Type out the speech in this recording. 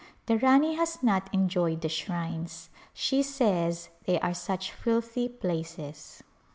The Rani has not enjoyed the shrines; she says they are such filthy places.